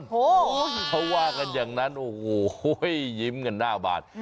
เขาว่ากันอย่างนั้นโอ้โหยิ้มกันหน้าบาน